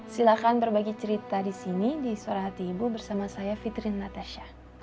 silahkan berbagi cerita di sini di suara hati ibu bersama saya fitri natasha